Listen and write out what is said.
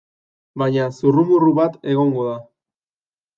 Baina zurrumurru bat egongo da.